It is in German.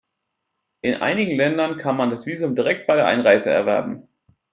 In einigen Ländern kann man das Visum direkt bei der Einreise erwerben.